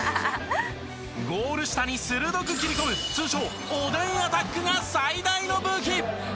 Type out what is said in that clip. ゴール下に鋭く切り込む通称おでんアタックが最大の武器！